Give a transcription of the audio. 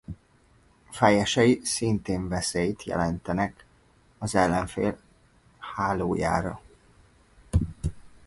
Fejesei szintén veszélyt jelentenek az ellenfél hálójára.